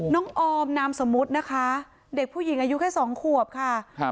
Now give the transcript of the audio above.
น้องออมนามสมุดนะคะเด็กผู้หญิงอายุแค่๒ขวบค่ะ